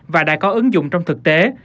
và đã có ứng dụng trong thực tế